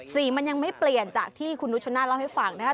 สีมันยังไม่เปลี่ยนจากที่คุณนุชนาธิเล่าให้ฟังนะครับ